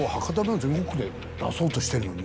全国区で出そうとしてるのに。